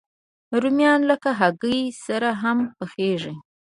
رومیان له هګۍ سره هم پخېږي